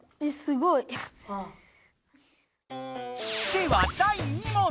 では第２問。